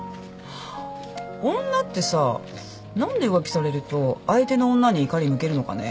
女ってさ何で浮気されると相手の女に怒り向けるのかね？